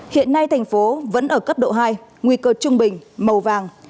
hiện nay thành phố vẫn ở cấp độ hai nguy cơ trung bình màu vàng